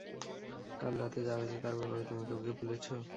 কাল রাত যা হয়েছে তার ব্যাপারে তুমি কাউকে বলেছ?